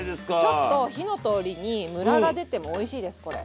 ちょっと火の通りにムラがでてもおいしいですこれ。